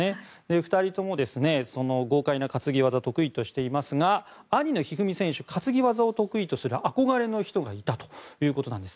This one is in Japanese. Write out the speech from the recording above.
２人とも豪快な担ぎ技を得意としていますが兄の一二三選手担ぎ技を得意とする憧れの人がいたということなんです。